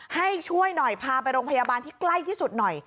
ให้ช่วยหน่อยพาไปโรงพยาบาลที่ใกล้ที่สุดหน่อย